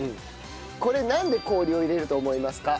これなんで氷を入れると思いますか？